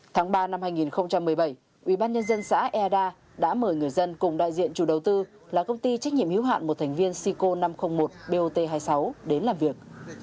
tháng ba năm hai nghìn một mươi bảy ubnd xã eada đã mời người dân cùng đại diện chủ đầu tư là công ty trách nhiệm hiếu hạn một thành viên sico năm trăm linh một bot hai mươi sáu đến làm việc